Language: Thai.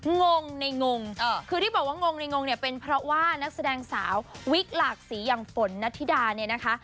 งงในงงคือที่บอกว่างงในงงเนี่ยเป็นเพราะว่านักแสดงสาววิกหลากสีอย่างฝนนัทธิดาเนี่ยนะคะ